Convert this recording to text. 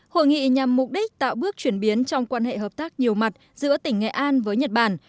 hội nghị nhằm mục đích tạo bước chuyển biến trong quan hệ hợp tác nhiều mặt giữa tỉnh nghệ an với nhật bản